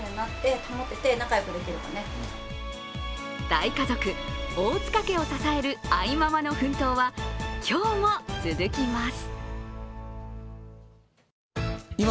大家族・大塚家を支える愛ママの奮闘は今日も続きます。